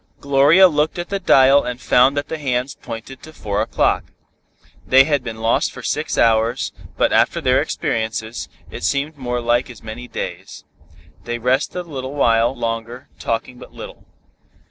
Gloria looked at the dial and found that the hands pointed to four o'clock. They had been lost for six hours, but after their experiences, it seemed more like as many days. They rested a little while longer talking but little.